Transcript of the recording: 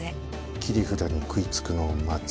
切り札に食いつくのを待つ。